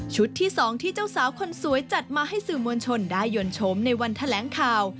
ที่๒ที่เจ้าสาวคนสวยจัดมาให้สื่อมวลชนได้ยนต์ชมในวันแถลงข่าว